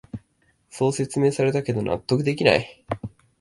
そう説明されたけど納得できない